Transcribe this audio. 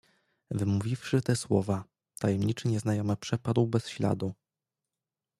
"„Wymówiwszy te słowa, tajemniczy nieznajomy przepadł bez śladu."